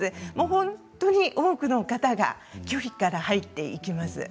本当に多くの方が拒否から入っていきます。